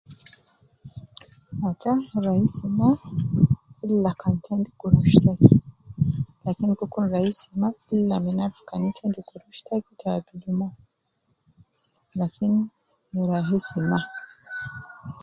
Ata raisi maa illa kan ita endis gurush taki